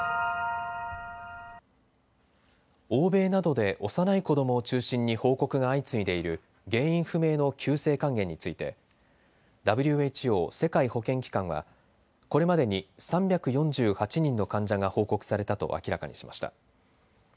欧米などで幼い子どもを中心に報告が相次いでいる原因不明の急性肝炎についてＷＨＯ・世界保健機関はこれまでに３４８人の患者が報告されたと明らかにしました。